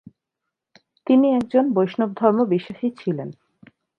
তিনি একজন বৈষ্ণব ধর্ম বিশ্বাসী ছিলেন।